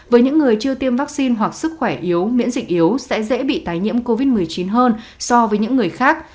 với những người chưa tiêm vaccine hoặc sức khỏe yếu miễn dịch yếu sẽ dễ bị tái nhiễm covid một mươi chín hơn so với những người khác